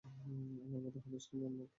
আমার মতে, হাদীসটি মুনকাতি পর্যায়ের।